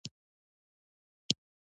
دا د محدودو امکاناتو ترمنځ چې بدیل مصارف لري.